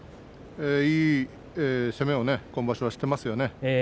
いい攻めを今場所していますよね。